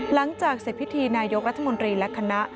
หลังจากเสร็จพิธีนายกรัฐมนตรีและคณะ